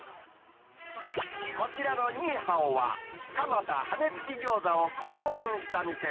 こちらのニーハオは、蒲田羽根付き餃子を考案した店。